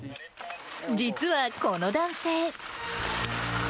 実はこの男性。